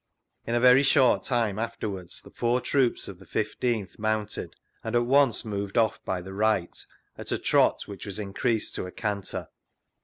In a very short time afterwards, the four troops of the 15th mounted, and at onoe moved off by the right, at a trot which was increased to a canter.